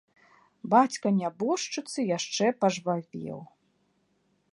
Бацька нябожчыцы яшчэ пажвавеў.